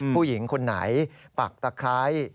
ผู้หญิงคนไหนปักตะไคร้